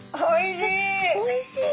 おいしい！